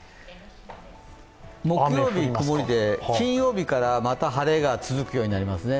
木曜日曇りで、金曜日からまた晴れが続くようになりますね。